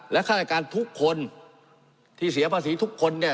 และฆาตการทุกคนที่เสียภาษีทุกคนเนี่ย